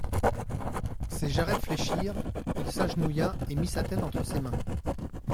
Ses jarrets fléchirent ; il s'agenouilla et mit sa tête entre ses mains.